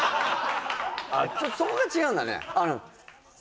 あっちょっとそこが違うんだよね